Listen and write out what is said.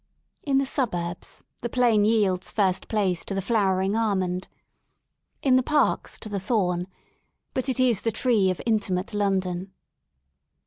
In the suburbs the plane yields first place to the flowering almond, in the 36 ROADS INTO LONDON. parks to the thorn, but it is the tree of intimate London.